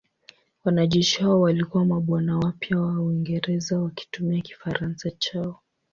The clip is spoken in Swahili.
Wanajeshi hao walikuwa mabwana wapya wa Uingereza wakitumia Kifaransa chao.